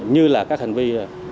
như là các hành vi